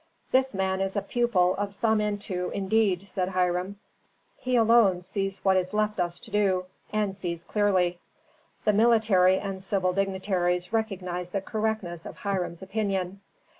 "This man is a pupil of Samentu indeed," said Hiram. "He alone sees what is left us to do, and sees clearly." The military and civil dignitaries recognized the correctness of Hiram's opinion.